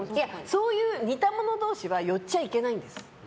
そういう似た者同士は寄っちゃいけないんです。